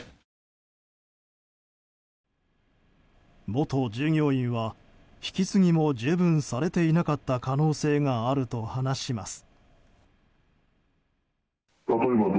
元従業員は引き継ぎも十分されていなかった可能性があると話します。